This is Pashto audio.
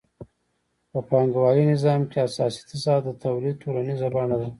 په پانګوالي نظام کې اساسي تضاد د تولید ټولنیزه بڼه ده